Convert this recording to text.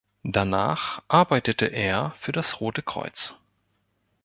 Danach arbeitete er für das Rote Kreuz.